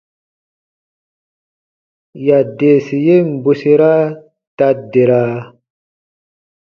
Yadeesi yen bwesera ta dera.